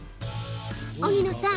荻野さん